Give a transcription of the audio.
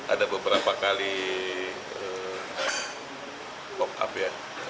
ada beberapa kali pop up ya